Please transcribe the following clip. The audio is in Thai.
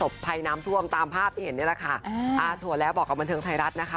ก็ยังทำบุญกันอย่างต่อเนื่องเลยนะคะ